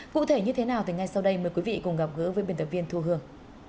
cụ thể như thế nào thì ngay sau đây mời quý vị cùng gặp gỡ với biên tập viên thu hương